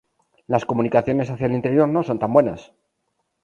Las comunicaciones hacia el interior no son tan buenas.